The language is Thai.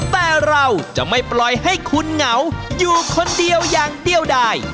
แต่เราจะไม่ปล่อยให้คุณเหงาอยู่คนเดียวอย่างเดียวได้